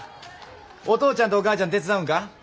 お父ちゃんとお母ちゃん手伝うんか？